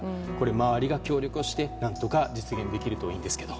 周りが協力して何とか実現できるといいんですけど。